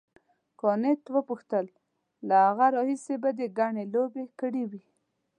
کانت وپوښتل له هغه راهیسې به دې ګڼې لوبې کړې وي.